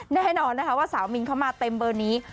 แน่นอนนะคะว่าสาวมินเข้ามาเต็มเบอร์นี้